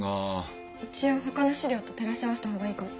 一応ほかの史料と照らし合わせた方がいいかも。